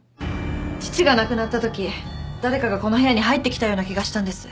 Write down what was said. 父が亡くなった時誰かがこの部屋に入ってきたような気がしたんです。